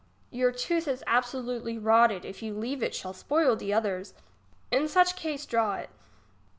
Your tooth is absolutely roted ; if you leave it ; shall spoil the others. In such case draw it.